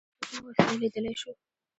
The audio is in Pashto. موږ حجره په کومه وسیله لیدلی شو